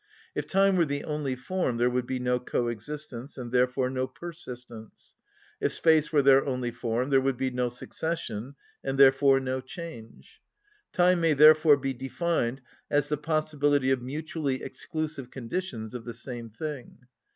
If time were the only form there would be no coexistence, and therefore no persistence. If space were their only form there would be no succession, and therefore no change. Time may therefore be defined as the possibility of mutually exclusive conditions of the same thing.